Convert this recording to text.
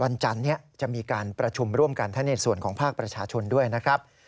วันจันทร์นี้จะมีการประชุมร่วมกันทั้งในส่วนของภาคประชาชนด้วยนะครับ